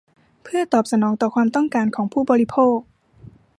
เพื่อตอบสนองต่อความต้องการของผู้บริโภค